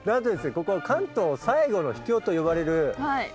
ここ関東最後の秘境と呼ばれる。